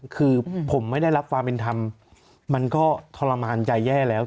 คือผมไม่ได้รับความเป็นธรรมมันก็ทรมานใจแย่แล้ว